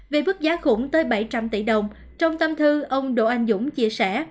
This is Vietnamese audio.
vì bức giá khủng tới bảy trăm linh tỷ đồng trong tâm thư ông độ anh dũng chia sẻ